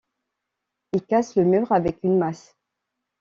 il casse le mur avec une masse